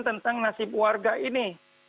tentang nasib warga ini